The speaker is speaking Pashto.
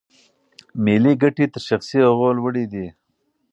ملي ګټې تر شخصي هغو لوړې دي.